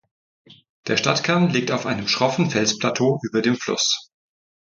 Der Stadtkern liegt auf einem schroffen Felsplateau über dem Fluss.